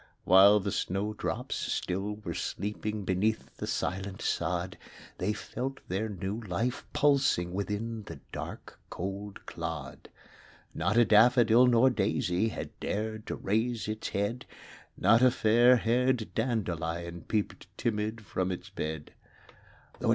While the snow drops still were sleeping Beneath the silent sod; They felt their new life pulsing Within the dark, cold clod. Not a daffodil nor daisy Had dared to raise its head; Not a fairhaired dandelion Peeped timid from its bed; THE CROCUSES.